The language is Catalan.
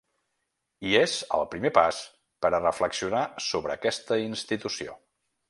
I és el primer pas per a reflexionar sobre aquesta institució.